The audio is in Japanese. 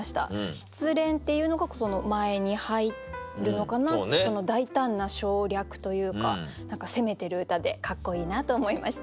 「失恋」っていうのがその前に入るのかなってその大胆な省略というか何か攻めてる歌でかっこいいなと思いました。